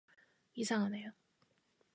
이상하네요.